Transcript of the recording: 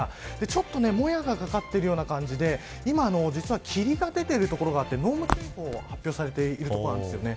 ちょっともやがかかっているような感じで今、実は霧が出ている所があって濃霧注意報が発表されているところです。